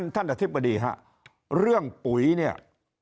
ท่านอธิบดีครับเรื่องปุ๋ยเนี่ย